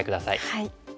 はい。